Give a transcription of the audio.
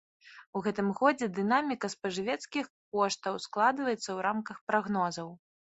У гэтым годзе дынаміка спажывецкіх коштаў складваецца ў рамках прагнозаў.